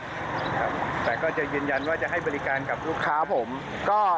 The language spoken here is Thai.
ครับแต่ก็จะยืนยันว่าจะให้บริการกับลูกค้าผมก็